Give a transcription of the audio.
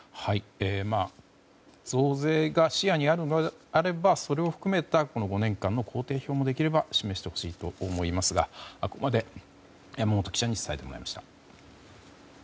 増税が視野にあればそれを含めたこの５年間の工程表もできれば示してほしいと思いますがここまで山本記者に伝えてもらいました。